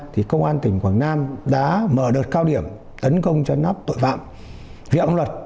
thì công an tỉnh quảng nam đã mở đợt cao điểm tấn công chấn áp tội phạm viện công luật về tín dụng đen